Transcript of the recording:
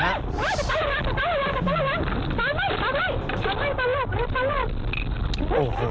ตาลังงานตาลังงาน